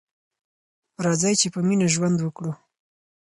راځئ چې په مینه ژوند وکړو.